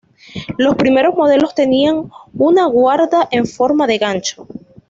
Los primeros modelos tenían una guarda en forma de gancho.